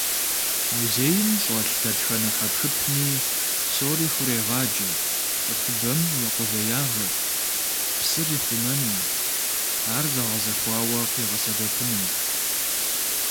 Музейм щӀэлъ дэтхэнэ хьэпшыпми псори хурегъаджэ цӀыхубэм и къулеягъыр псыр ихъумэным, ар зэгъэзэхуауэ къигъэсэбэпыным.